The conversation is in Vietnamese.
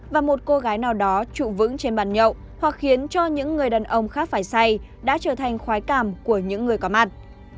và một cô gái nào đó trụ vững trên bàn nhậu hoặc khiến cho những người đàn ông khác phải say đã trở thành khoái cảm của những người có mặt